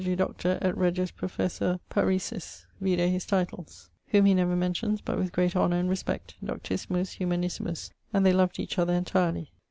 Th. Doctor et Regius Professor Parisiis, vide his titles whom he never mentions but with great honour and respect[CXXIV.], 'doctissimus, humanissimus'; and they loved each other entirely.